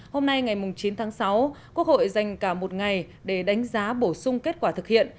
hôm nay ngày chín tháng sáu quốc hội dành cả một ngày để đánh giá bổ sung kết quả thực hiện